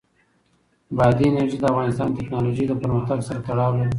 بادي انرژي د افغانستان د تکنالوژۍ له پرمختګ سره تړاو لري.